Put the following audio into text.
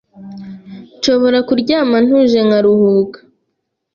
nshobora kuryama ntuje nkaruhuka